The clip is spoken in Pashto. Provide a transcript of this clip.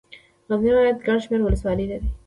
غزني ولايت ګڼ شمېر ولسوالۍ لري.